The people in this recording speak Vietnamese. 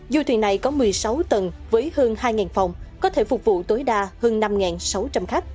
du thuyền này có một mươi sáu tầng với hơn hai phòng có thể phục vụ tối đa hơn năm sáu trăm linh khách